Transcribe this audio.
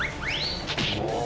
うわ。